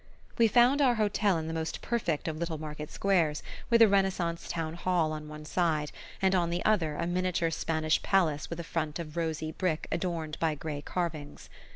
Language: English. We found our hotel in the most perfect of little market squares, with a Renaissance town hall on one side, and on the other a miniature Spanish palace with a front of rosy brick adorned by grey carvings.